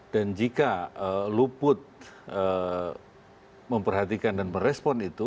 dan jika luput memperhatikan dan merespon itu